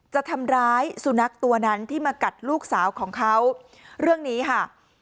จะทำร้ายสุนัขตัวนั้นที่มากัดลูกสาวของเขาเรื่องนี้ค่ะ